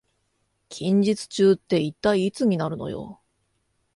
近日中って一体いつになるのよ